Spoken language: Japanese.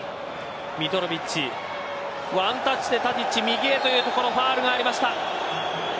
ミトロヴィッチワンタッチでタディッチ右へというところファウルがありました。